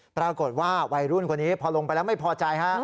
ปรากฏว่าวัยรุ่นคนนี้พอลงไปแล้วไม่พอใจฮะ